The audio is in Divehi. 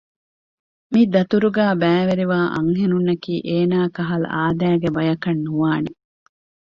މި ދަތުރުގައި ބައިވެރިވާ އަންހެނުންނަކީ އޭނާ ކަހަލަ އާދައިގެ ބަޔަކަށް ނުވާނެ